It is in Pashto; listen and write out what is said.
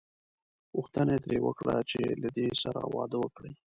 غوښتنه یې ترې وکړه چې له دې سره واده وکړي.